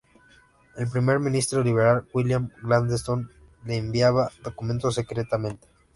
El primer ministro liberal William Gladstone le enviaba documentos secretamente.